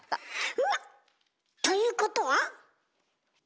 うわっ！ということは？